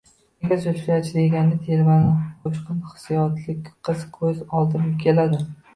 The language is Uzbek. Nega Zulfiyachi deganda telbanamo, jo‘shqin hissiyotli qiz ko‘z oldimga keladi?